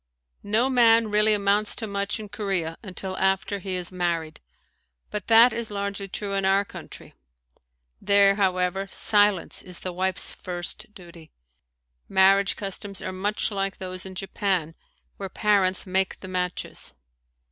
No man really amounts to much in Korea until after he is married, but that is largely true in our country. There, however, silence is the wife's first duty. Marriage customs are much like those in Japan where parents make the matches.